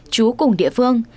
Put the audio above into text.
chú cùng địa phương